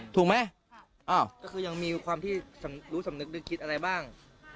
ถูกไหมค่ะอ้าวก็คือยังมีความที่สำรู้สำนึกด้วยคิดอะไรบ้าง